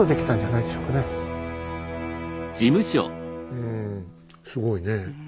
うんすごいねえ。